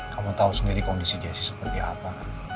kamu tau sendiri kondisi jesse seperti apa